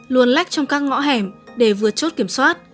luôn lách trong các ngõ hẻm để vượt chốt kiểm soát